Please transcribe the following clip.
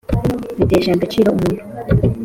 bitesha agaciro umuntu